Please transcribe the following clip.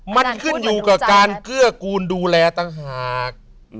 มันขึ้นอยู่กับการเกื้อกูลดูแลต่างหาก